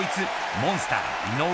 モンスター井上